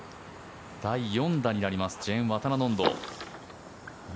第４打になりますジェーンワタナノンド。